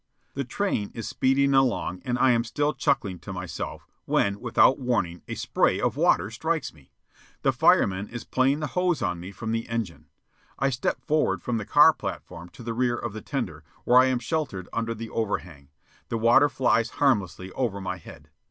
The train is speeding along, and I am still chuckling to myself, when, without warning, a spray of water strikes me. The fireman is playing the hose on me from the engine. I step forward from the car platform to the rear of the tender, where I am sheltered under the overhang. The water flies harmlessly over my head.